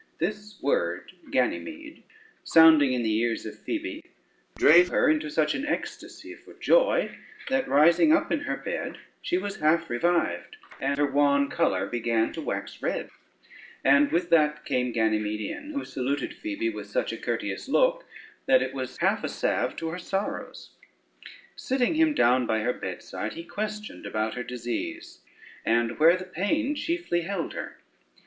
This word "Ganymede," sounding in the ears of Phoebe, drave her into such an ecstasy for joy, that rising up in her bed, she was half revived, and her wan color began to wax red; and with that came Ganymede in, who saluted Phoebe with such a courteous look, that it was half a salve to her sorrows. Sitting him down by her bedside, he questioned about her disease, and where the pain chiefly held her?